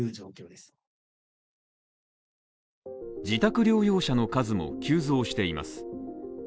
自宅療養者の数も急増しています。